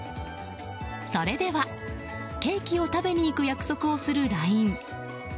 それでは、ケーキを食べに行く約束をするＬＩＮＥ。